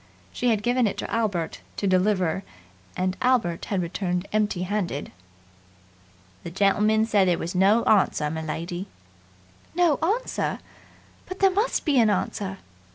She had given it to Albert to deliver and Albert had returned empty handed. "The gentleman said there was no answer, m'lady!" "No answer! But there must be an answer!"